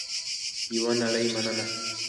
یوه نړۍ مننه